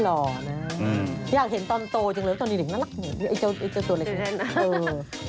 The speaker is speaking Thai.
หล่อนะอยากเห็นตอนโตจังเลยตอนนี้เด็กน่ารักเหมือนไอ้เจ้าตัวเล็ก